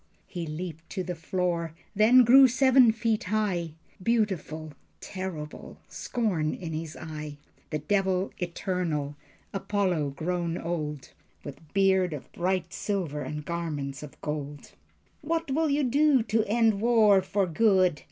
He leaped to the floor, then grew seven feet high, Beautiful, terrible, scorn in his eye: The Devil Eternal, Apollo grown old, With beard of bright silver and garments of gold. "What will you do to end war for good?